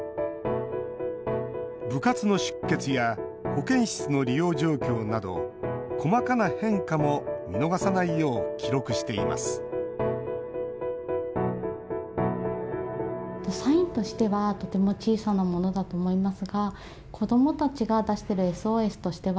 部活の出欠や保健室の利用状況など細かな変化も見逃さないよう記録しています失礼します。